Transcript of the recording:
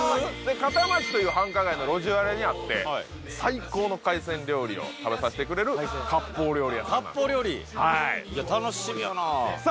片町という繁華街の路地裏にあって最高の海鮮料理を食べさせてくれる割烹料理屋さんなんです割烹料理楽しみやなさあ